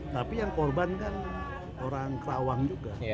tapi yang korban kan orang kerawang juga